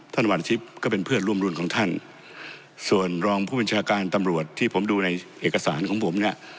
หวันทิพย์ก็เป็นเพื่อนร่วมรุ่นของท่านส่วนรองผู้บัญชาการตำรวจที่ผมดูในเอกสารของผมเนี่ย